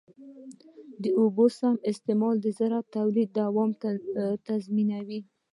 د اوبو سم استعمال د زراعتي تولید دوام تضمینوي.